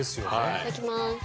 いただきます。